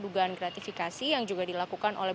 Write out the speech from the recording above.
dugaan gratifikasi yang juga dilakukan oleh